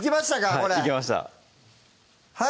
これいきましたはい！